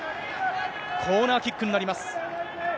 コーナーキックになります。